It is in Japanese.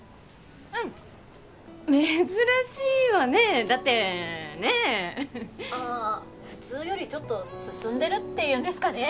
うん珍しいわねだってねえ・ああ普通よりちょっと進んでるっていうんですかね